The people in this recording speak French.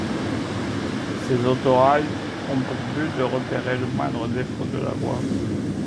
Ces autorails ont pour but de repérer le moindre défaut de la voie.